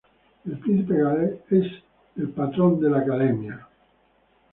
El Príncipe de Gales es el patrón de la academia.